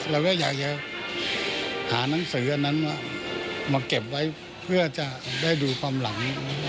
เราก็อยากจะหานังสืออันนั้นมาเก็บไว้เพื่อจะได้ดูความหลัง